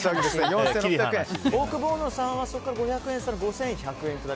オオクボーノさんはそこから５００円差の５１００円。